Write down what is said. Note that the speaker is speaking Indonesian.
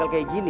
kalau kaya gitu